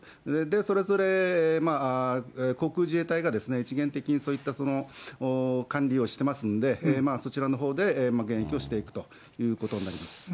それぞれ、航空自衛隊が、一元的にそういった管理をしてますので、そちらのほうで迎撃をしていくということになります。